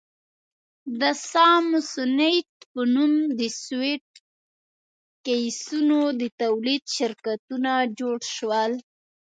د سامسونیټ په نوم د سویټ کېسونو د تولید شرکتونه جوړ شول.